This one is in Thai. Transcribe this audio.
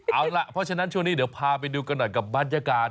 เอาล่ะเพราะฉะนั้นช่วงนี้เดี๋ยวพาไปดูกันหน่อยกับบรรยากาศ